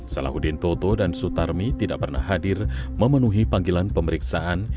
salahuddin toto dan sutarmi tidak pernah hadir memenuhi panggilan pemeriksaan